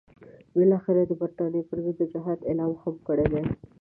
بالاخره یې د برټانیې پر ضد د جهاد اعلان هم کړی دی.